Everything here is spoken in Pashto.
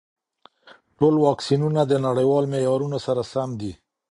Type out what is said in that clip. ټول واکسینونه د نړیوال معیارونو سره سم دي.